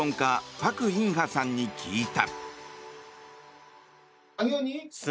パク・インハさんに聞いた。